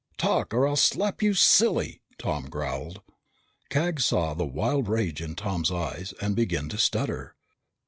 "Talk or I'll slap you silly!" Tom growled. Cag saw the wild rage in Tom's eyes and began to stutter.